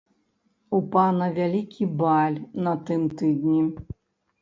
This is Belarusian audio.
У пана вялікі баль на тым тыдні.